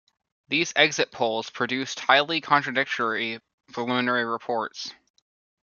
These exit polls produced highly contradictory preliminary reports.